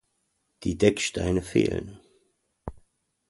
Die Decksteine fehlen.